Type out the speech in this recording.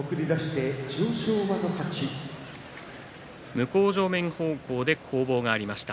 向正面方向で攻防がありました。